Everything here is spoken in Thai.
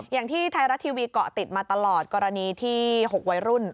อย่างที่ไทยรัฐทีวีเกาะติดมาตลอดกรณีที่๖วัยรุ่น